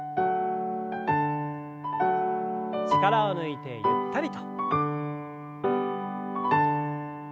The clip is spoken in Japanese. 力を抜いてゆったりと。